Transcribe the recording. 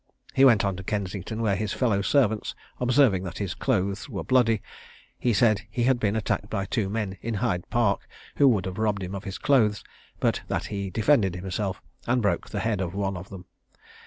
He went on to Kensington, where his fellow servants observing that his clothes were bloody, he said he had been attacked by two men in Hyde Park, who would have robbed him of his clothes, but that he defended himself, and broke the head of one of them.